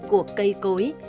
của cây cối